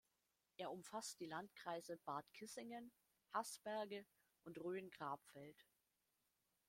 Er umfasst die Landkreise Bad Kissingen, Haßberge und Rhön-Grabfeld.